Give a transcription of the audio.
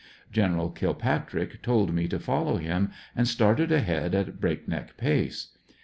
General Kilpatrick told me to follow him and started ahead at a break neck pace.